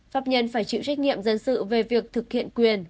pháp nhân phải chịu trách nhiệm dân sự về việc thực hiện quyền